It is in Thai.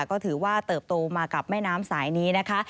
ก็ถือว่าเติบโตมากับแม่น้ำสายนี้นะคะ